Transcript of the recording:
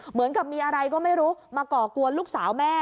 เหมือนกับมีอะไรก็ไม่รู้มาก่อกวนลูกสาวแม่